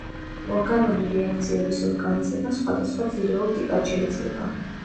ორგანული რეაქციების ორგანიზება სხვადასხვა ძირეულ ტიპად შეიძლება.